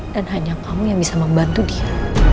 dan hanya kamu yang bisa membantu dia